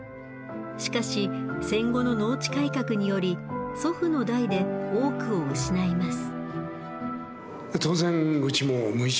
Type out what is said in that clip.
しかし戦後の農地改革により祖父の代で多くを失います。